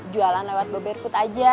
jualan lewat gobearfood aja ya